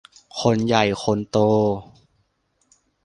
คนใหญ่คนโต